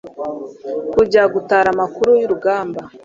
kujya gutara amakuru y'urugamba